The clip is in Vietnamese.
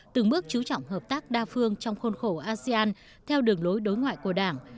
từng bước chú trọng hợp tác đa phương trong khuôn khổ asean theo đường lối đối ngoại của đảng